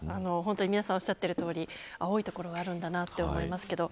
皆さんおっしゃっているとおり青い所があるんだなと思いますけど。